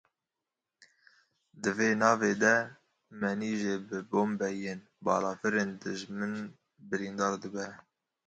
Di vê navê de Menîje bi bombeyên balafirên dijmin birîndar dibe.